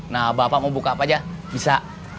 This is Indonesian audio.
nah bapak mau buka apa aja bisa